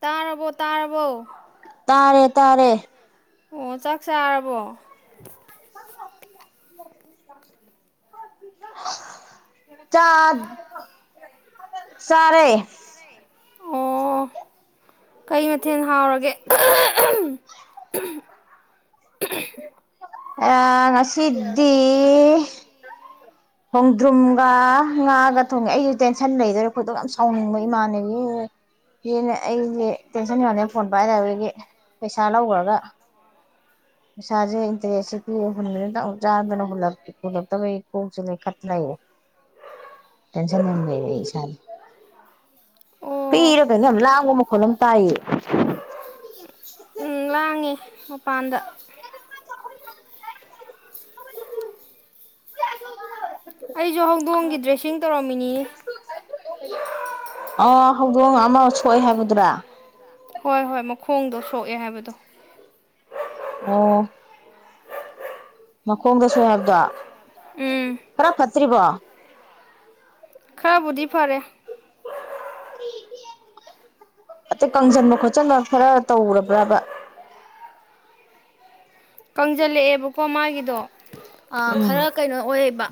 ꯇꯥꯔꯔꯕꯣ ꯇꯥꯔꯔꯕꯣ ꯇꯔꯦ ꯑꯣ ꯆꯥꯛ ꯆꯥꯔꯕꯣ ꯆꯥ ꯆꯔꯦ ꯑꯣ ꯀꯩ ꯃꯊꯦꯜ ꯍꯥꯎꯔꯒꯦ ꯎꯝ [unintelligible] ꯑ ꯉ ꯁꯤꯗꯤ ꯍꯣꯡꯗ꯭ꯔꯨꯝꯒ ꯉꯥꯒ ꯊꯣꯡꯉꯦ ꯑꯩꯁꯨ ꯇꯦꯟꯁꯟ ꯂꯩꯗꯣꯏꯔꯥ ꯈꯣꯏꯗꯛ ꯌꯥꯝ ꯁꯥꯎꯅꯤꯡꯕ ꯏꯃꯥꯟꯅꯕꯤ ꯍꯅꯦ ꯑꯩꯁꯦ ꯇꯦꯟꯁꯟ ꯌꯂꯦ ꯐꯣꯟ ꯄꯥꯏꯔꯗꯒꯤ ꯄꯩꯁꯥ ꯂꯧꯈ꯭ꯔꯒ ꯄꯩꯁꯥꯁꯦ ꯏꯟꯇꯔꯦꯁꯁꯦ ꯄꯤꯔ ꯍꯨꯟꯕꯗꯨ ꯆꯥꯗꯅ ꯍꯨꯜꯂꯛꯇꯕꯒꯤ ꯀꯣꯛꯁꯨꯦ ꯂꯩ ꯂꯩꯔ ꯇꯦꯟꯁꯟ ꯂꯩꯔ ꯏꯁꯥꯥꯁ ꯑꯣ ꯄꯤꯔꯒꯅ ꯌꯥꯝ ꯂꯥꯡꯕ ꯃꯈꯣꯜ ꯑꯃ ꯇꯥꯏꯌꯦ ꯎ ꯂꯥꯡꯉꯦ ꯃꯄꯥꯟꯗ [unintelligible] ꯑꯩꯁꯨ ꯍꯧꯗꯣꯡꯒꯤ ꯗ꯭ꯔꯦꯁꯤꯡ ꯇꯧꯔꯝꯃꯤꯅꯤ ꯑ ꯍꯧꯗꯣꯡ ꯑꯃ ꯁꯣꯏ ꯍꯥꯏꯕꯗ꯭ꯔꯥ ꯍꯣꯏ ꯍꯣꯏ ꯃꯈꯣꯡꯗꯣ ꯁꯣꯛꯑꯦ ꯍꯥꯏꯕꯗꯣ ꯑꯣ ꯃꯈꯣꯡꯗ ꯁ ꯍꯥꯏꯕꯗꯣ ꯎꯝ ꯈꯔ ꯐꯠꯇ꯭ꯔꯤꯕꯣ ꯈꯔꯕꯨꯗꯤ ꯐꯔꯦ ꯑꯇꯩ ꯀꯪꯁꯤꯟꯕ ꯈꯣꯠꯆꯟꯕ ꯈꯔ ꯇꯧꯔꯕ꯭ꯔꯕ ꯀꯪꯁꯤꯜꯂꯛꯑꯦꯕꯀꯣ ꯃꯥꯒꯤꯗꯣ ꯑ ꯎꯝ ꯈꯔ ꯀꯩꯅꯣ ꯑꯣꯏꯌꯦꯕ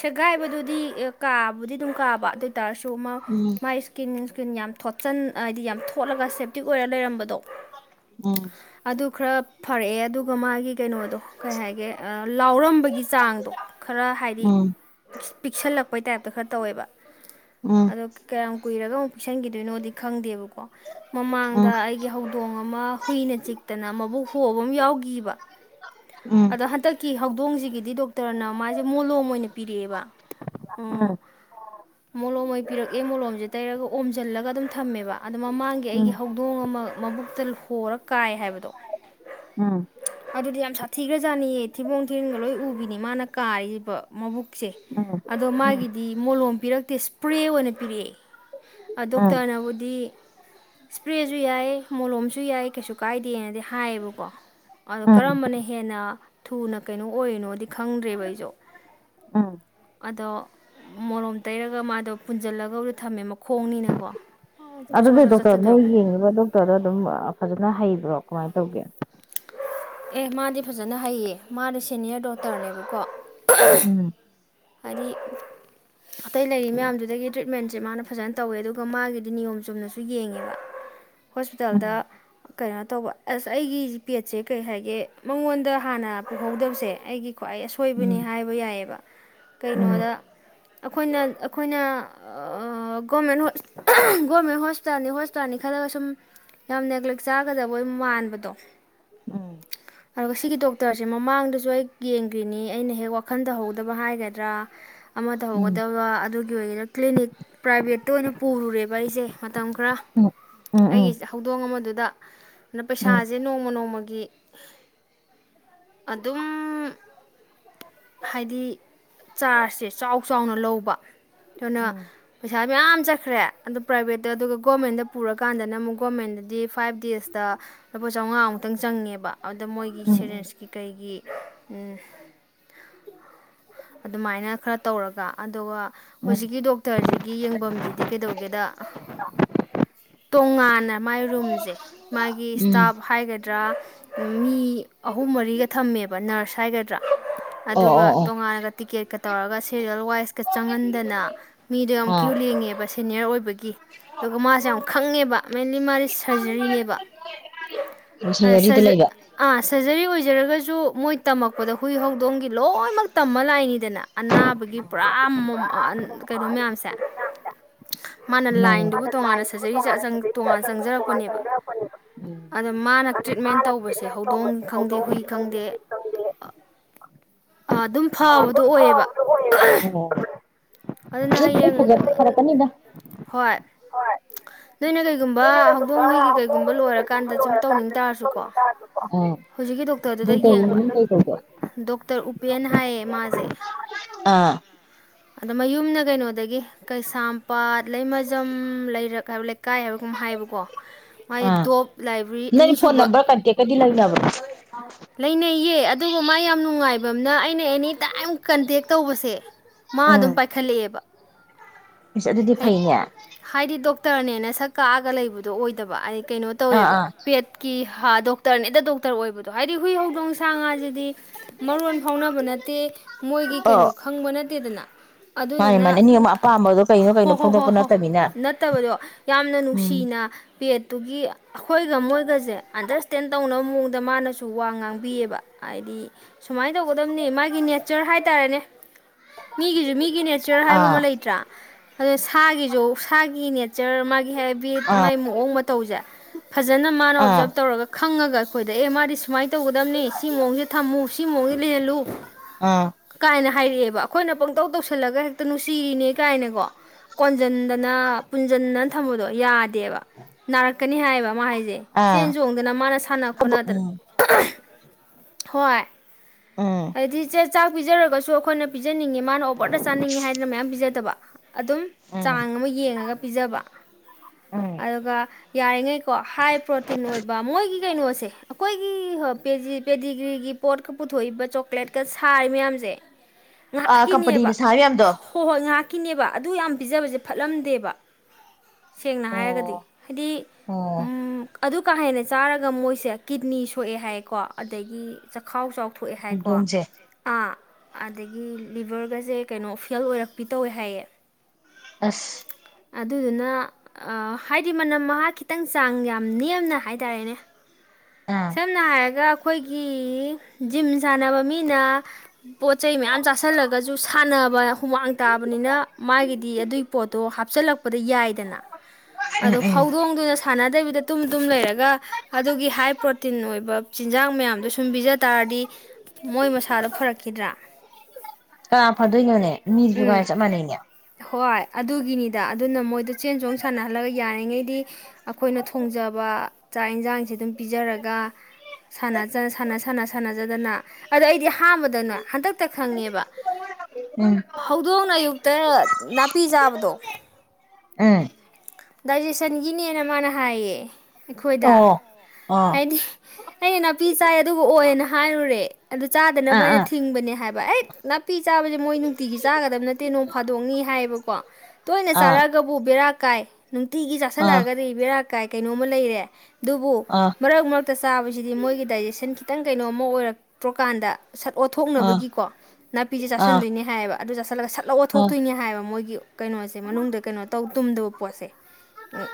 ꯁꯦꯒꯥꯏꯕꯗꯨꯗꯤ ꯀꯥꯕꯨꯗꯤ ꯑꯗꯨꯝ ꯀꯥꯕ ꯑꯗꯨ ꯇꯥꯔꯁꯨ ꯎꯝ ꯃꯥꯏ ꯏꯁꯀꯤꯟ ꯁ꯭ꯀꯨꯟ ꯌꯥꯝ ꯊꯣꯠꯆꯤꯟ ꯍꯥꯏꯗꯤ ꯌꯥꯝ ꯊꯣꯠꯂꯒ ꯁꯦꯞꯇꯤ ꯑꯣꯏꯔ ꯂꯩꯔꯝꯕꯗꯣ ꯎꯝ ꯑꯗꯨ ꯈꯔ ꯐꯔꯛꯑꯦ ꯑꯗꯨꯒ ꯑꯗꯨꯒ ꯃꯥꯒꯤ ꯀꯩꯅꯣꯗꯣ ꯀꯩ ꯍꯥꯏꯒꯦ ꯂꯥꯎꯔꯝꯕꯒꯤ ꯆꯥꯡꯗꯣ ꯈꯔ ꯍꯥꯏꯗꯤ ꯄꯤꯛꯁꯜꯂꯛꯄꯩ ꯇꯥꯏꯞꯇ ꯈꯔ ꯇꯧꯋꯦꯕ ꯎꯝ ꯎꯝ ꯑꯗꯣ ꯀꯌꯥꯝ ꯀꯨꯏꯔꯒ ꯑꯃꯨꯛ ꯀꯣꯏꯁꯟꯈꯤꯗꯣꯏꯅꯣꯗꯤ ꯈꯪꯗꯦꯕ ꯎꯝ ꯃꯃꯥꯡꯗ ꯑꯩꯒꯤ ꯍꯧꯗꯣꯡ ꯑꯃ ꯍꯨꯏꯅ ꯆꯤꯛꯇꯅ ꯃꯕꯨꯛ ꯄꯣꯕ ꯑꯃ ꯌꯥꯎꯈꯤꯕ ꯎꯝ ꯑꯗꯣ ꯍꯟꯗꯛꯀꯤ ꯍꯧꯗꯣꯡꯁꯤ ꯒꯤꯗꯤ ꯗꯣꯛꯇꯔꯅ ꯃꯥꯁꯦ ꯃꯣꯂꯣꯝ ꯑꯣꯏꯅ ꯄꯤꯔꯛꯑꯦꯕ ꯎꯝ ꯃꯣꯂꯣꯝꯈꯣꯏ ꯄꯤꯔꯛꯑꯦ ꯃꯣꯂꯣꯝꯁꯦ ꯇꯩꯔꯒ ꯑꯣꯝꯁꯤꯜꯂꯒ ꯑꯗꯨꯝ ꯊꯝꯃꯦꯕ ꯑꯗꯣ ꯃꯃꯥꯡꯒꯤ ꯑꯩꯒꯤ ꯍꯧꯗꯣꯡ ꯑꯃ ꯃꯕꯨꯛꯇ ꯍꯣꯔ ꯀꯥꯏ ꯍꯥꯏꯕꯗꯣ ꯎꯝ ꯑꯗꯨꯗꯤ ꯌꯥꯝ ꯁꯥꯊꯤꯈ꯭ꯔꯖꯥꯠꯅꯤꯌꯦ ꯊꯤꯕꯣꯡ ꯊꯤꯔꯟꯒ ꯂꯣꯏ ꯎꯕꯤꯅꯤ ꯃꯥꯅ ꯀꯥꯔꯤꯁꯤꯕ ꯃꯕꯨꯛ ꯁꯦ ꯑꯗꯣ ꯃꯥꯒꯤꯗꯤ ꯃꯣꯂꯣꯝ ꯄꯤꯔꯛꯇꯦ ꯁꯄ꯭ꯔꯦ ꯑꯣꯏꯅ ꯄꯤꯔꯛꯑꯦ ꯎꯝ ꯎꯝ ꯗꯣꯛꯇꯔꯅꯕꯨꯗꯤ ꯁꯄ꯭ꯔꯦꯁꯨ ꯌꯥꯏ ꯃꯣꯂꯣꯝꯁꯨ ꯌꯥꯏ ꯀꯩꯁꯨ ꯀꯥꯏꯗꯦꯅꯗꯤ ꯍꯥꯏꯌꯦꯕꯀ ꯀꯣ ꯑꯣ ꯎꯝ ꯀꯔꯝꯕꯅ ꯍꯦꯟꯅ ꯊꯨꯅ ꯀꯩꯅꯣ ꯑꯣꯏꯅꯣꯗꯤ ꯈꯪꯗ꯭ꯔꯦꯕ ꯑꯩꯁꯨ ꯎꯝ ꯑꯗꯣ ꯃꯣꯔꯣꯝ ꯇꯩꯔꯒ ꯃꯥꯗꯣ ꯄꯨꯟꯁꯤꯜꯂꯒꯕꯨꯔ ꯊꯝꯃꯦ ꯃꯈ ꯑꯗꯨꯗꯤ ꯗꯣꯛꯇꯔ ꯆꯠꯆꯗꯣꯏꯔꯣ ꯅꯣꯏ ꯌꯦꯡꯉꯤꯕ ꯗꯣꯛꯇꯔꯗ ꯑꯗꯨꯝ ꯐꯖꯅ ꯍꯩꯕ꯭ꯔꯣ ꯀꯃꯥꯏꯅ ꯇꯧꯒꯦ ꯑꯦ ꯃꯥꯗꯤ ꯐꯖꯅ ꯍꯩꯌꯦ ꯃꯥꯗꯤ ꯁꯦꯅꯤꯌꯔ ꯗꯣꯛꯇꯔꯅꯦꯕꯀꯣ ꯎꯝ ꯍꯥꯏꯗꯤ ꯑꯇꯩ ꯂꯩꯔꯤ ꯃꯌꯥꯝꯗꯨꯗꯒꯤ ꯇ꯭ꯔꯤꯠꯃꯦꯟꯁꯦ ꯃꯥꯅ ꯐꯖꯅ ꯇꯧꯋꯦ ꯑꯗꯨꯒ ꯃꯥꯒꯤꯗꯤ ꯅꯤꯌꯣꯝ ꯆꯨꯝꯅꯁꯨ ꯌꯦꯡꯉꯦꯕ ꯎꯝ ꯍꯣꯁꯄꯤꯇꯥꯜꯗ ꯀꯩꯅꯣ ꯇꯧꯕ ꯑꯁ ꯑꯩꯒꯤ ꯄꯦꯠꯁꯦ ꯀꯩ ꯍꯥꯏꯒꯦ ꯃꯉꯣꯟꯗ ꯍꯥꯟꯅ ꯄꯨꯍꯧꯗꯕꯁꯦ ꯑꯩꯒꯤ ꯈ꯭ꯋꯥꯏ ꯑꯁꯣꯏꯕꯅꯤ ꯎꯝ ꯍꯥꯏꯕ ꯌꯥꯏꯑꯕ ꯎꯝ ꯀꯩꯅꯣꯗ ꯑꯩꯈꯣꯏꯅ ꯑꯩꯈꯣꯏꯅ ꯍꯣꯚꯦꯔꯅꯃꯦꯟꯠ ꯍꯣꯁꯣꯏꯇꯥꯜ ꯒꯣꯚꯦꯔꯅꯃꯦꯟꯠ ꯍꯣꯁꯣꯏꯇꯜꯅꯤ ꯍꯤꯁꯣꯏꯇꯜꯅꯤ ꯈꯂꯒ ꯌꯥꯝ ꯉꯒꯣꯔꯀꯔ ꯆꯇꯒꯗ ꯃꯟꯕꯗꯣ ꯎꯝ ꯑꯗꯣ ꯁꯤꯒꯤ ꯗꯣꯆꯣꯔ ꯁꯦ ꯃꯪꯗꯁꯨ ꯁꯨ ꯍꯦꯛ ꯌꯦꯡꯗ꯭ꯔꯤꯅꯤ ꯑꯩꯅ ꯍꯦꯛ ꯋꯥꯈꯟ ꯇꯧꯍꯧꯗꯕ ꯍꯥꯏꯒ ꯇ꯭ꯔꯥ ꯑꯃ ꯎꯝ ꯇꯧꯍꯧꯒꯗꯕ ꯑꯗꯨꯒꯤ ꯑꯣꯏꯒꯦꯔ ꯀ꯭ꯂꯤꯅꯤꯛ ꯄ꯭ꯔꯥꯏꯕꯦꯠꯇ ꯑꯣꯏꯅ ꯄꯨꯔꯨꯔꯦꯕ ꯑꯩꯁꯦ ꯃꯇꯝ ꯈꯔ ꯎꯝ ꯎꯝ ꯎꯝ ꯑꯩꯒꯤ ꯎꯝ ꯍꯧꯗꯣꯡ ꯑꯃꯗꯨꯗ ꯑꯗꯨ ꯄꯩꯁꯥꯁꯦ ꯅꯣꯡꯃ ꯅꯣꯡꯃꯒꯤ ꯑꯗꯨꯝ ꯍꯥꯏꯗꯤ ꯆꯥꯔꯖꯁꯦ ꯆꯥꯎ ꯆꯥꯎꯅ ꯂꯧꯕ ꯎꯝ [unintelligible] ꯄꯩꯁꯥ ꯃꯌꯥꯝ ꯆꯠꯈ꯭ꯔꯦ ꯑꯗꯨꯗꯣ ꯄ꯭ꯔꯥꯏꯚꯦꯠꯇ ꯑꯗꯨꯒ ꯒꯣꯔꯃꯦꯟꯗ ꯄꯨꯔꯀꯥꯟꯗꯅ ꯑꯃꯨꯛ ꯒꯣꯔꯃꯦꯟꯗꯗꯤ ꯐꯥꯏꯚ ꯗꯦꯖꯇ ꯂꯨꯄꯥ ꯆꯥꯝꯃꯉꯥꯃꯨꯛꯇꯪ ꯆꯪꯉꯦꯕ ꯑꯗꯨꯗ ꯃꯣꯏꯒꯤ ꯎꯝ ꯎꯝ ꯁꯦꯔꯦꯟꯁꯀꯤ ꯀꯩꯒꯤ ꯎꯝ ꯑꯗꯨꯃꯥꯏꯅ ꯈꯔ ꯇꯧꯔꯒ ꯑꯗꯨꯒ ꯎꯝ ꯍꯧꯖꯤꯛꯀꯤ ꯗꯣꯛꯇꯔꯁꯤꯒꯤ ꯌꯦꯡꯐꯝꯁꯤꯗꯤ ꯀꯩꯗꯧꯒꯦꯗ ꯇꯣꯉꯥꯟꯅ ꯃꯥꯏ ꯔꯨꯝꯁꯦ ꯃꯥꯒꯤ ꯎꯝ ꯏꯁꯇꯥꯞ ꯍꯥꯏꯒꯗꯤ ꯒꯗ꯭ꯔꯥ ꯃꯤ ꯑꯍꯨꯝ ꯃꯔꯤꯒ ꯊꯝꯃꯦꯕ ꯅꯔꯁ ꯍꯥꯏꯒꯗ꯭ꯔꯥ ꯑꯣ ꯑꯗꯨꯒ ꯑꯣ ꯑꯣ ꯇꯣꯉꯥꯟꯅꯒ ꯇꯤꯀꯦꯠꯀ ꯇꯧꯔꯒ ꯁꯦꯔꯤꯌꯦꯜ ꯋꯥꯏꯁꯀ ꯆꯪꯍꯟꯗꯅ ꯃꯤꯗꯣ ꯌꯥꯝ ꯀ꯭ꯌꯨ ꯑꯥ ꯂꯦꯡꯉꯦꯕ ꯁꯦꯅꯤꯌꯔ ꯑꯣꯏꯕꯒꯤ ꯑꯗꯨꯒ ꯃꯥꯁꯨꯦ ꯌꯥꯝ ꯈꯪꯉꯦꯕ ꯃꯦꯟꯂꯤ ꯃꯥꯗꯤ ꯁꯔꯖꯔꯤꯅꯦꯕ ꯁꯨꯗꯔꯤꯗ ꯂꯩꯕ ꯑꯥ ꯁꯔꯖꯔꯤ ꯑꯣꯏꯖꯔꯒꯁꯨ ꯃꯣꯏ ꯇꯝꯃꯛꯄꯗ ꯍꯨꯏ ꯍꯧꯗꯣꯡꯒꯤ ꯂꯣꯏꯅꯃꯛ ꯇꯝꯃ ꯂꯥꯛꯏ ꯀꯩꯅꯣ ꯃꯌꯥꯝꯁꯦ ꯃꯥꯅ ꯃꯥꯅꯦ ꯂꯥꯏꯟꯗꯨꯕꯨ ꯃꯥꯅꯦ ꯇꯣꯉꯥꯟꯅ ꯁꯔꯖꯔꯤ ꯇꯣꯉꯥꯟꯅ ꯆꯪꯖꯔꯛꯄꯅꯦꯕ ꯑꯗꯣ ꯃꯥꯅ ꯇ꯭ꯔꯤꯠꯃꯦꯟ ꯇꯧꯕꯁꯦ ꯍꯧꯗꯣꯡ ꯈꯪꯗꯦ ꯍꯨꯏ ꯈꯪꯗꯦ ꯑ ꯑꯗꯨꯝ ꯐꯥꯎꯕ ꯑꯗꯨꯣ ꯑꯣꯏꯌꯦꯕ ꯑꯣ ꯑꯗꯨꯅ ꯑꯩ ꯍꯌꯦꯡ ꯐꯖ ꯐꯔꯛꯀꯅꯤꯗ ꯍꯣꯏ ꯅꯣꯏꯅ ꯀꯩꯒꯨꯝꯕ ꯍꯧꯗꯣꯡ ꯍꯨꯏꯒꯤ ꯀꯩꯒꯨꯝꯕ ꯂꯣꯏꯔꯀꯥꯟꯗ ꯁꯨꯝ ꯇꯧꯅꯤꯡ ꯇꯥꯔꯁꯨꯀꯣ ꯑꯥ ꯍꯧꯖꯤꯛꯀꯤ ꯗꯣꯛꯇꯔꯗꯨꯗ ꯑꯗꯨꯝ ꯇꯧ ꯌꯦꯡꯕ ꯃꯃꯤꯡ ꯀꯩ ꯀꯧꯒꯦ ꯗꯣꯛꯇꯔ ꯎ ꯄꯅ ꯍꯥꯏꯌꯦ ꯃꯥꯁꯦ ꯑꯥ ꯑꯗ ꯃꯌꯨꯝꯅ ꯀꯩꯅꯣꯗꯒꯤ ꯀꯩꯁꯥꯝꯄꯥꯠ ꯂꯩꯃꯖꯝ ꯂꯩꯔꯛ ꯀꯥꯏ ꯀꯥꯏ ꯍꯥꯏꯕꯒꯨꯝ ꯍꯥꯏꯕꯀꯣ ꯃꯥꯒꯤ ꯑꯥ ꯇꯣꯞ ꯂꯥꯏꯕ꯭ꯔꯦꯔꯤ ꯅꯪ ꯐꯣꯟ ꯑꯅꯤꯁꯨꯕ ꯅꯝꯕꯔ ꯀꯟꯇꯦꯛꯀꯗꯤ ꯂꯩꯅꯕ꯭ꯔꯣ ꯂꯩꯅꯩꯌꯦ ꯑꯗꯨꯕꯨ ꯃꯥ ꯌꯥꯝ ꯅꯨꯡꯉꯥꯏ ꯑꯦꯕꯝꯅ ꯑꯩꯅ ꯑꯦꯅꯤ ꯇꯥꯏꯝ ꯀꯟꯇꯦꯛ ꯇꯧꯕꯁꯦ ꯃꯥ ꯑꯗꯨꯝ ꯄꯥꯏꯈꯠꯂꯛꯑꯦꯕ ꯁ ꯑꯗꯨꯗꯤ ꯐꯩꯅꯦ ꯇꯔꯅꯦꯅ ꯁꯛ ꯀꯥꯛꯑꯒ ꯂꯩꯕꯗꯣ ꯑꯣꯏꯗꯕ ꯑꯩ ꯀꯩꯅꯣ ꯇꯧꯋꯦꯕ ꯑꯥ ꯄꯦꯠꯀꯤ ꯍꯥ ꯗꯣꯛꯇꯔꯅꯦꯗ ꯗꯣꯛꯇꯔ ꯑꯣꯏꯕꯗꯣ ꯑꯗꯣ ꯍꯥꯏꯗꯤ ꯍꯨꯏ ꯍꯧꯗꯣꯡ ꯁꯥ ꯉꯥꯁꯤꯗꯤ ꯃꯔꯣꯟ ꯐꯥꯎꯅꯕ ꯅꯠꯇꯦ ꯃꯣꯏꯒꯤ ꯀꯩꯅꯣ ꯑꯣ ꯈꯪꯕ ꯅꯠꯇꯦꯗꯅ ꯃꯥꯅꯦ ꯃꯥꯅꯦ ꯑꯗꯨꯗꯨꯅ ꯑꯅꯤ ꯑꯃ ꯑꯄꯥꯝꯕꯗꯣ ꯀꯩꯅꯣ ꯍꯣ ꯀꯩꯅꯣ ꯍꯣꯏ ꯍꯣꯏ ꯐꯣꯡꯗꯣꯛꯄ ꯍꯣꯏꯣꯏ ꯅꯠꯇꯕꯅꯤꯅ ꯅꯠꯇꯕꯗꯣ ꯌꯥꯝꯅ ꯎꯝ ꯅꯨꯡꯁꯤꯅ ꯄꯦꯠꯇꯨꯒꯤ ꯑꯩꯈꯣꯏꯒ ꯃꯣꯏꯒꯁꯦ ꯑꯟꯗꯔꯁꯇꯦꯟ ꯇꯧꯅꯕ ꯗ ꯃꯥꯅ ꯁꯨ ꯋꯥ ꯉꯥꯡꯕꯤꯌꯦꯕ ꯍꯥꯏꯗꯤ ꯁꯨꯃꯥꯏꯅ ꯇꯧꯒꯗꯕꯅꯤ ꯃꯥꯒꯤ ꯅꯦꯆꯔ ꯍꯥꯏꯇꯥꯔꯦꯅꯦ ꯃꯤꯒꯤꯁꯨ ꯃꯤꯒꯤ ꯅꯦꯆꯔ ꯍꯥꯏꯕ ꯑꯃ ꯑꯥ ꯂꯩꯇ꯭ꯔꯥ ꯑꯗꯨꯣ ꯁꯥꯒꯤꯁꯨ ꯁꯥꯒꯤ ꯇꯤꯆꯔ ꯃꯥꯒꯤ ꯍꯦꯕꯤꯠ ꯑꯥ ꯃꯒꯤ ꯃꯑꯣꯡ ꯃꯇꯧꯁꯦ ꯐꯖꯅ ꯃꯥꯅ ꯑꯥ ꯑꯣꯞꯖꯥꯕ ꯇꯧꯔꯒ ꯈꯪꯉꯒ ꯑꯩꯈꯣꯏꯗ ꯑꯦ ꯃꯥꯗꯤ ꯎꯗꯗꯝꯅꯦ ꯏꯁꯁꯤ ꯃꯑꯣꯁꯦꯥ ꯃꯨ ꯄꯃꯣꯒꯤ ꯂꯩ ꯂꯣ ꯑꯥ ꯍꯥꯏꯔꯛꯑꯦꯕ ꯑꯩꯈꯣꯏꯅ ꯄꯪꯇꯧ ꯇꯧꯁꯜꯂꯒ ꯍꯦꯛꯇ ꯅꯨꯡꯁꯤꯔꯤꯅꯦ ꯀꯥꯏꯅꯀꯣ ꯀꯣꯟꯖꯟꯗꯅ ꯄꯨꯟꯁꯤꯗꯅ ꯊꯝꯕꯗꯣ ꯌꯥꯗꯦ ꯗꯦꯕ ꯅꯔ ꯅꯤ ꯍꯥꯏꯕ ꯑꯃ ꯍꯥꯏꯁꯦ ꯁꯦ ꯑꯥ ꯆꯦꯟ ꯆꯣꯡꯗꯅ ꯃꯥꯅ ꯁꯥꯟꯅ ꯎꯝ ꯈꯣꯠꯅꯗꯅ ꯍꯣꯏ ꯎꯝ ꯑꯗꯤ ꯆ ꯆꯥꯛ ꯄꯤꯖꯔꯒꯁꯨ ꯑꯩꯈꯣꯏꯅ ꯄꯤ ꯄꯤꯖꯅꯤꯡꯉꯦ ꯃꯥꯅ ꯑꯣꯕꯔꯗ ꯆꯥꯅꯤꯡꯉꯦ ꯍꯥꯏꯗꯅ ꯃꯌꯥꯝ ꯄꯤꯖꯗꯕ ꯑꯗꯨꯝ ꯎꯝ ꯆꯥꯡ ꯑꯃ ꯌꯦꯡꯉꯒ ꯄꯤꯖꯕ ꯎꯝ ꯑꯗꯨꯒ ꯌꯥꯔꯤꯉꯩ ꯀꯣ ꯍꯥꯏ ꯄ꯭ꯔꯣꯇꯤꯟ ꯑꯣꯏꯕ ꯃꯣꯏꯒꯤ ꯀꯩꯅꯣꯁꯦ ꯑꯩꯈꯣꯏꯒꯤ ꯄꯦꯗꯤꯒ꯭ꯔꯤꯒꯤ ꯄꯣꯠꯀ ꯄꯨꯊꯣꯛꯏꯕ ꯆꯣꯀ꯭ꯂꯦꯠꯀ ꯁꯥꯔꯤ ꯃꯌꯥꯝꯁꯦ ꯑ ꯉꯍꯥꯛꯀꯤꯅꯦꯕ ꯀꯝꯄꯅꯤꯅ ꯁꯥ ꯃꯌꯥꯝꯗꯣ ꯍꯣꯣꯏ ꯍꯣꯏ ꯉꯥꯏꯍꯥꯛꯀꯤꯅꯦꯕ ꯑꯗꯨ ꯌꯥꯝ ꯄꯤꯖꯕꯁꯦ ꯐꯠꯂꯝꯗꯦꯕ ꯁꯦꯡꯅ ꯍꯥꯏꯔꯒꯗꯤ ꯑꯣ ꯍꯥꯏꯗꯤ ꯑꯣ ꯑꯗꯨ ꯀꯥ ꯍꯦꯟꯅ ꯆꯥꯔꯒ ꯃꯣꯏꯁꯦ ꯀꯤꯗꯅꯤ ꯁꯣꯛꯑꯦ ꯍꯥꯏꯀꯣ ꯑꯗꯒꯤ ꯆꯈꯥꯎ ꯆ ꯊꯣꯛꯑꯦ ꯍꯥꯏꯀꯣ ꯍꯧꯗꯣꯡꯁꯦ ꯑꯥ ꯑꯗꯒꯤ ꯂꯤꯚꯔꯒꯁꯦ ꯀꯩꯅꯣ ꯐꯦꯜ ꯑꯣꯏꯔꯛꯄꯤ ꯇꯧꯋꯦ ꯍꯥꯏꯌꯦ ꯑꯁ ꯑꯗꯨꯗꯨꯅ ꯍꯥꯏꯗꯤ ꯃꯅꯝ ꯃꯍ ꯈꯤꯇꯪ ꯆꯥꯡ ꯌꯥꯝ ꯅꯦꯝꯅ ꯍꯥꯏꯇꯥꯔꯦꯅꯦ ꯑꯥ ꯁꯝꯅ ꯍꯥꯏꯑꯒ ꯑꯩꯈꯣꯏꯒꯤ ꯖꯤꯝ ꯁꯥꯟꯅꯕ ꯃꯤꯅ ꯄꯣꯠ ꯆꯩꯩ ꯃꯌꯥꯝ ꯆꯥꯥꯁꯜꯂꯒꯁꯨ ꯁꯥꯟꯅꯕ ꯍꯨꯃꯥꯡ ꯇꯥꯕꯅꯤꯅ ꯃꯥꯒꯤꯗꯤ ꯑꯗꯨꯒꯤ ꯄꯣꯠꯇꯣ ꯍꯥꯞꯆꯤꯜꯂꯛꯄꯗ ꯌꯥꯏꯗꯅ ꯑ ꯎꯝ ꯎꯝ ꯍꯧꯗꯣꯡꯗꯨꯗ ꯁꯥꯟꯅꯗꯕꯤꯗ ꯇꯨꯝ ꯇꯨꯝ ꯂꯩꯔꯒ ꯑꯗꯨꯒꯤ ꯍꯥꯏ ꯄ꯭ꯔꯣꯇꯤꯟ ꯑꯣꯏꯕ ꯆꯤꯟꯖꯥꯛ ꯃꯌꯥꯝꯗꯣ ꯁꯨꯝ ꯄꯤꯖ ꯇꯥꯔꯗꯤ ꯃꯣꯏ ꯃꯁꯥꯗꯣ ꯐꯔꯛꯈꯤꯗ꯭ꯔꯥ ꯀꯥ ꯐꯥꯗꯣꯏꯅꯣꯅꯦ ꯃꯤꯗꯨꯁꯨ ꯎꯝ ꯀꯥꯏ ꯆꯞ ꯃꯥꯟꯅꯩꯅꯦ ꯍꯣꯏ ꯑꯗꯨꯒꯤꯅꯤꯗ ꯑꯗꯨꯅ ꯃꯣꯏꯗ ꯆꯦꯟ ꯆꯣꯡ ꯁꯥꯟꯅꯍꯜꯂꯒ ꯌꯥꯔꯤꯉꯩꯗꯤ ꯑꯩꯈꯣꯏꯅ ꯊꯣꯡꯖꯕ ꯆꯥꯛ ꯌꯦꯟꯁꯥꯡꯁꯤꯦ ꯑꯗꯨꯝ ꯄꯤꯖꯔꯒ ꯥꯟ ꯁꯥꯟꯅꯖꯗꯅ ꯑꯗꯣ ꯑꯩꯗꯤ ꯑꯍꯥꯟꯕꯗꯅꯣ ꯍꯟꯗꯛꯇ ꯈꯪꯉꯦꯕ ꯎꯝ ꯍꯧꯗꯣꯡꯅ ꯑꯌꯨꯛꯇ ꯅꯥꯄꯤ ꯆꯥꯕꯗꯣ ꯎꯝ ꯗꯥꯏꯖꯦꯁꯟꯒꯤꯅꯦꯅ ꯃꯥꯅ ꯍꯥꯏꯌꯦ ꯑꯩꯈꯣꯏꯗ ꯑꯣ ꯑꯥ ꯍꯥꯏꯗꯤ ꯑꯩꯅ ꯅꯥꯄꯤ ꯆꯥꯏ ꯑꯗꯨꯕꯨ ꯑꯣꯏꯌꯦꯅ ꯍꯥꯏꯥꯏꯨꯔꯦ ꯑꯗꯨ ꯆꯥꯗꯅꯕ ꯑꯩꯅ ꯑꯥ ꯊꯤꯡꯕꯅꯦ ꯍꯥꯏꯕ ꯅ ꯄꯤ ꯆꯥꯕꯁꯦ ꯃꯣꯏ ꯅꯨꯡꯇꯤꯒꯤ ꯆꯥꯒꯗꯕ ꯅꯠꯇꯦ ꯅꯣꯡ ꯐꯥꯗꯣꯛꯅꯤ ꯍꯥꯏꯌꯦꯕ ꯋꯥ ꯇꯣꯏꯅ ꯑꯥ ꯆꯥꯔꯛꯑꯒꯕꯨ ꯕꯦꯔꯥꯛ ꯀꯥꯏ ꯅꯨꯡꯇꯤꯒꯤ ꯑꯥ ꯆꯥꯁꯤꯜꯂꯛꯑꯒꯗꯤ ꯦꯔꯥꯛ ꯀꯥꯏ ꯀꯩꯅꯣꯝꯃ ꯂꯩꯔꯦ ꯗꯨꯕꯨ ꯑꯥ ꯃꯔꯛ ꯃꯔꯛꯇ ꯆꯥꯕꯁꯤꯗꯤ ꯃꯒꯤ ꯗꯥꯏꯖꯦꯁꯟ ꯊꯟ ꯈꯤꯇꯪ ꯀꯩꯅꯣꯝ ꯑꯣꯏꯔꯛꯇ꯭ꯔꯣ ꯀꯥꯟꯗ ꯁꯠ ꯑꯥ ꯑꯣꯠꯊꯣꯛꯅꯕꯒꯤꯀꯣ ꯅꯥꯄꯤꯁꯦ ꯑꯥ ꯑꯥ ꯆꯥꯥꯁꯟꯗꯣꯏꯅꯦ ꯍꯥꯏꯌꯦꯕ ꯑꯗꯨ ꯆꯥꯥꯁꯜꯂꯒ ꯁꯠꯂ ꯑꯥ ꯑꯣꯠꯊꯣꯛꯇꯣꯏꯅꯦ ꯍꯥꯏꯕ ꯃꯣꯏꯒꯤ ꯀꯩꯅꯣꯁꯦ ꯃꯅꯨꯡꯗ ꯀꯩꯅꯣ ꯇꯧ ꯇꯨꯝꯗꯕ ꯄꯣꯠꯁꯦ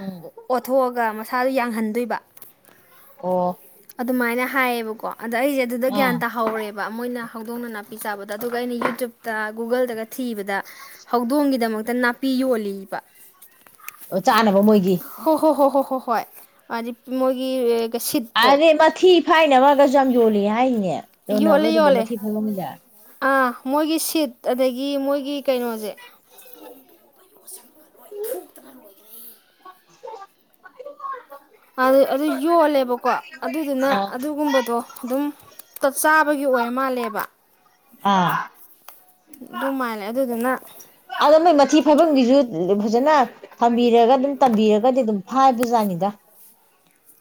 ꯎꯝ ꯑꯣꯠꯊꯣꯛꯑꯒ ꯊꯜ ꯌꯥꯡꯍꯟꯗꯣꯏꯕ ꯑꯣ ꯑꯗꯨꯃꯥꯏꯅ ꯍꯥꯏꯌꯦꯕꯀꯣ ꯑꯗꯣ ꯑꯩꯁꯦ ꯑꯗꯨꯗ ꯑꯥ ꯒ꯭ꯌꯥꯟ ꯇꯥꯍꯧꯔꯦꯕ ꯑꯃꯣꯏꯅ ꯍꯧꯗꯣꯡꯅ ꯅꯥꯄꯤ ꯆꯥꯕꯗꯣ ꯑꯗꯨꯒ ꯑꯩꯅ ꯌꯨꯇꯕꯇ ꯒꯨꯒꯜꯗꯒ ꯊꯤꯕꯗ ꯍꯧꯗꯣꯡꯒꯤꯗꯃꯛꯇ ꯅꯥꯄꯤ ꯌꯣꯜꯂꯤꯕ ꯑꯣ ꯆꯥꯅꯕ ꯃꯣꯏꯒꯤ ꯑ ꯃꯣꯏ [unintelligible] ꯑꯦ ꯃꯊꯤ ꯐꯥꯏꯅꯕꯒꯁꯨ ꯌꯥꯝ ꯌꯣꯜꯂꯤ ꯍꯥꯏꯅꯦ ꯌꯣꯜꯂꯦ ꯌꯣꯟꯅꯕꯗꯨꯕꯨ ꯌꯣꯜꯂꯦ ꯃꯊꯤ ꯐꯪꯝꯁꯦ ꯑꯥ ꯃꯣꯏꯒꯤ ꯁꯤꯠ ꯑꯗꯒꯤ ꯃꯣꯏꯒꯤ ꯀꯩꯅꯣꯁꯦ ꯂꯣꯏ ꯊꯣꯛꯣꯛꯇ ꯉꯥꯟ ꯂꯣꯏꯒꯅꯤ ꯑꯗꯨ ꯌꯣꯜꯂꯦꯕꯀꯣ ꯑꯗꯨꯗꯨꯅ ꯑꯥ ꯑꯗꯨꯒꯨꯝꯕꯗꯣ ꯑꯗꯨꯝ ꯞ ꯆꯥꯕꯒꯤ ꯑꯣꯏ ꯃꯥꯜꯂꯦꯕ ꯑꯥ ꯑꯗꯨ ꯃꯥꯥꯏꯂꯦ ꯑꯗꯨꯗꯨꯅ ꯑꯗ ꯅꯣꯏ ꯃꯊꯤ ꯐꯥꯏꯕꯒꯤꯁꯨ ꯐꯖꯅ ꯊꯝꯕꯤꯔꯒ ꯑꯗꯨꯝ ꯇꯝꯕꯤꯔꯒꯗꯤ ꯑꯗꯨꯝ ꯐꯥꯕꯖꯥꯠꯅꯤꯗ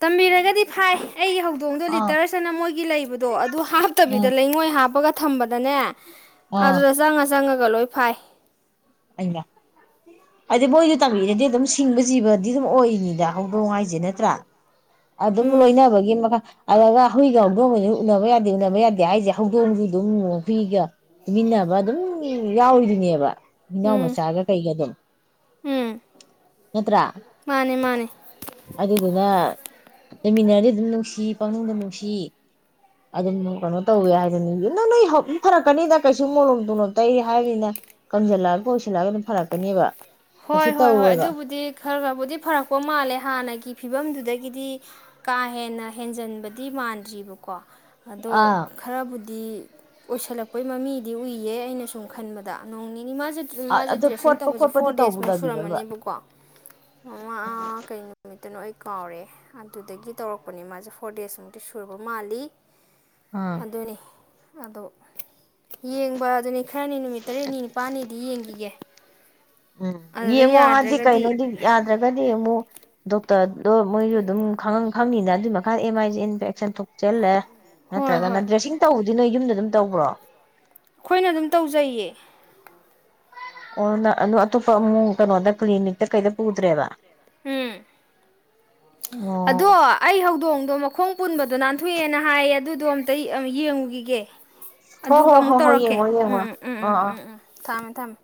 ꯇꯝꯕꯤꯔꯒꯗꯤ ꯐꯥꯏ ꯑꯩꯒꯤ ꯍꯧꯗꯣꯡꯗꯣ ꯑꯥ ꯂꯤꯇꯔꯁꯤꯅ ꯃꯣꯏꯒꯤ ꯂꯩꯕꯗꯣ ꯑꯗꯨ ꯍꯥꯞꯇꯕꯤꯗ ꯎꯝ ꯂꯩꯉꯣꯏ ꯍꯥꯞꯄꯒ ꯊꯝꯕꯗꯅꯦ ꯑ ꯑꯥ ꯔꯁꯥꯉꯁꯥꯡꯉ ꯒꯂꯣꯏ ꯐꯥꯏ ꯑꯩꯅ ꯍꯥꯏꯗꯤ ꯃꯣꯏꯗ ꯇꯝꯕꯤꯔꯗꯤ ꯑꯗꯨꯝ ꯁꯤꯡꯕ ꯖꯤꯕꯗꯤ ꯑꯗꯨꯝ ꯑꯣꯏꯏꯅꯤꯗ ꯍꯧꯗꯣꯡ ꯍꯥꯏꯁꯦ ꯅꯠꯇ꯭ꯔꯥ ꯑꯗꯨꯝ ꯎꯝ ꯂꯣꯏꯅꯕꯒꯤ ꯃꯈꯜ ꯑꯗꯨꯒ ꯍꯨꯏꯒ ꯍꯧꯗꯣꯡꯒ ꯎꯅꯕ ꯌꯥꯗꯦ ꯎꯅꯕ ꯌꯥꯗꯦ ꯍꯥꯏꯁꯦ ꯍꯧꯗꯣꯡꯁꯨ ꯑꯗꯨꯝ ꯍꯨꯏꯒ ꯇꯨꯃꯤꯟꯅꯕ ꯑꯗꯨꯝ ꯌꯥꯎꯔꯤꯔꯤꯅꯦꯕ ꯍꯅꯥꯎ ꯎꯝ ꯃꯆꯥꯒ ꯀꯩꯒ ꯑꯗꯨꯝ ꯎꯝ ꯅꯠꯇ꯭ꯔꯥ ꯃꯥꯅꯦ ꯃꯥꯅꯦ ꯑꯗꯨꯗꯨꯅ ꯂꯩꯃꯤꯟꯅꯔꯗꯤ ꯑꯗꯨꯝ ꯅꯨꯡꯁꯤ ꯄꯛꯅꯨꯡꯗ ꯅꯨꯡꯁꯤ ꯑꯗꯨꯝ ꯀꯩꯅꯣ ꯇꯧꯋꯦ ꯍꯥꯏꯗꯅꯤ ꯅꯪ ꯅꯣꯏ ꯐꯔꯛꯀꯅꯤꯗ ꯀꯩꯁꯨ ꯃꯣꯂꯣꯝ ꯇꯨꯂꯣꯝ ꯇꯩ ꯍꯥꯏꯕꯅꯤꯅ ꯀꯝꯁꯤꯜꯂꯛꯑꯒ ꯀꯣꯏꯁꯤꯜꯂꯒ ꯑꯗꯨꯝ ꯐꯔꯛꯀꯅꯦꯕ ꯀꯩꯁꯨ ꯍꯣꯏ ꯍꯣꯏ ꯍꯣꯏ ꯇꯧꯔꯣꯏꯕ ꯑꯗꯨꯕꯨꯗꯤ ꯈꯔ ꯈꯔꯕꯨꯗꯤ ꯐꯔꯛꯄ ꯃꯥꯜꯂꯦ ꯍꯥꯟꯅꯒꯤ ꯐꯤꯕꯝꯗꯨꯗꯒꯤꯗꯤ ꯀꯥ ꯍꯦꯟꯅ ꯍꯦꯟꯖꯟꯕꯗꯤ ꯃꯥꯟꯗ꯭ꯔꯤꯕꯀꯣ ꯑꯗꯣ ꯑꯥ ꯈꯔꯕꯨ ꯗꯤ ꯑꯣꯏꯁꯤꯜꯂꯛꯄꯩ ꯃꯃꯤꯗꯤ ꯎꯏꯌꯦ ꯑꯩꯅ ꯁꯨꯝ ꯈꯟꯕꯗ ꯑ ꯃꯥꯁꯦ ꯃꯥꯁꯦ ꯑꯗꯨ ꯗ꯭ꯔꯦꯁꯁꯤꯡ ꯐꯣꯠꯄ ꯇꯧꯕꯁꯦ ꯈꯣꯠꯄꯗꯤ ꯐꯣꯔ ꯗꯦꯁ ꯅꯣꯡ ꯇꯧꯕꯗꯕꯤꯔꯕ ꯁꯨꯔꯝꯃꯅꯦꯕꯀꯣ ꯃꯉꯥ ꯀꯩ ꯅꯨꯃꯤ ꯇꯅ ꯑꯩ ꯀꯥꯎꯔꯦ ꯑꯗꯨꯗꯒꯤ ꯇꯧꯔꯛꯄꯅꯤ ꯃꯥꯁꯦ ꯐꯣꯔ ꯗꯦꯖꯃꯨꯛꯇꯤ ꯁꯨꯔꯕ ꯃꯥꯜꯂꯤ ꯑꯥ ꯑꯗꯨꯅꯦ ꯑꯗꯣ ꯌꯦꯡꯕ ꯑꯗꯨꯅꯤ ꯈꯔꯅꯤ ꯅꯨꯃꯤꯠ ꯇꯔꯦꯠꯅꯤ ꯅꯤꯄꯥꯜꯅꯤꯗꯤ ꯌꯦꯡꯈꯤꯒꯦ ꯎꯝ ꯑꯗꯨꯗ ꯌꯦꯡꯉꯣ ꯍꯥꯏꯁꯤ ꯌꯥꯗ꯭ꯔꯒꯗꯤ ꯀꯩꯅꯣꯗꯤ ꯌꯥꯗ꯭ꯔꯒꯗꯤ ꯌꯦꯡꯉꯣ ꯗꯣꯇꯥ ꯑꯗꯣ ꯃꯣꯏꯁꯨ ꯑꯗꯨꯝ ꯈꯪꯅꯤꯅ ꯑꯗꯨꯏ ꯃꯈꯥꯗ ꯑꯦꯝ ꯑꯥꯏ ꯏꯟꯐꯦꯛꯁꯟ ꯊꯣꯛꯆꯜꯂꯦ ꯍꯣꯏ ꯅꯠꯇ꯭ꯔꯒ ꯅ ꯍꯣꯏ ꯗ꯭ꯔꯦꯁꯤ ꯇꯧ ꯑꯗꯨ ꯅꯣꯏ ꯌꯨꯝꯗ ꯑꯗꯨꯝ ꯇꯧꯕ꯭ꯔꯣ ꯑꯩꯈꯣꯏꯅ ꯑꯗꯨꯝ ꯇꯧꯖꯩꯌꯦ ꯑꯣ ꯑꯇꯣꯞꯄ ꯑꯃꯨꯛ ꯀꯩꯅꯣꯗ ꯀ꯭ꯂꯤꯅꯤꯛꯇ ꯀꯩꯗ ꯄꯨꯗ꯭ꯔꯦꯕ ꯎꯝ ꯑꯗꯣ ꯑꯣ ꯑꯩ ꯍꯧꯗꯣꯡꯗꯣ ꯃꯈꯣꯡ ꯄꯨꯟꯕꯗꯨꯣ ꯅ ꯊꯣꯛꯑꯦꯅ ꯍꯥꯏꯌꯦ ꯑꯗꯨꯗꯣ ꯑꯝꯇ ꯌꯦꯡꯉꯨꯈꯤꯒꯦ ꯍꯣ ꯑꯗꯨꯒ ꯍꯣ ꯍꯣ ꯑꯃꯨꯛ ꯍꯣꯏ ꯇꯧꯔꯛꯀꯦ ꯌꯦꯡꯉꯣ ꯎꯝ ꯌꯦꯡꯉꯣ ꯎꯝ ꯎꯝ ꯑꯥ ꯎꯝ ꯑꯥ ꯎꯝ ꯎꯝ ꯊꯝꯃꯦ ꯊꯝꯃꯦ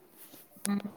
ꯎꯝ